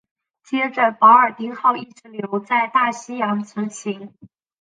接着保尔丁号一直留在大西洋执勤。